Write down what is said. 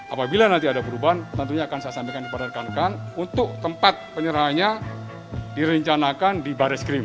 apabila nanti ada perubahan tentunya akan saya sampaikan kepada rekan rekan untuk tempat penyerahannya direncanakan di baris krim